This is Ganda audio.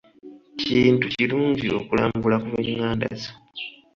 Kintu kirungi okulambula ku b'enganda zo.